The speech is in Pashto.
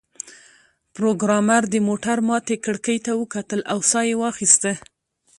پروګرامر د موټر ماتې کړکۍ ته وکتل او ساه یې واخیسته